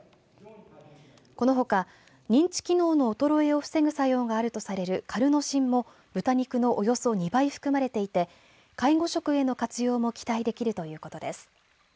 このほか、認知機能の衰えを防ぐ作用があるとされるカルノシンも豚肉のおよそ２倍含まれていて介護食への活用も期待できるということです。